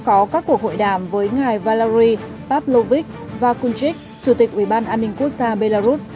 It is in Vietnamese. có các cuộc hội đàm với ngài valery pavlovich vakunchik chủ tịch ubnd quốc gia belarus